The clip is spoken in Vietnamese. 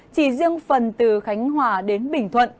chỉ riêng phần từ khánh hòa đến bình thuận